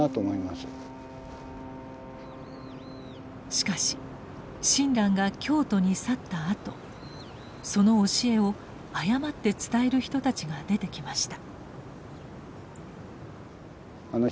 しかし親鸞が京都に去ったあとその教えを誤って伝える人たちが出てきました。